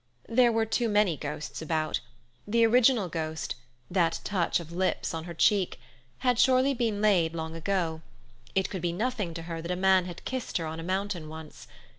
There were too many ghosts about. The original ghost—that touch of lips on her cheek—had surely been laid long ago; it could be nothing to her that a man had kissed her on a mountain once.